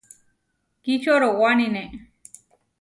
Kičorowánine.